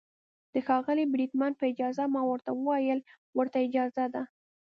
د ښاغلي بریدمن په اجازه، ما ورته وویل: ورته اجازه ده.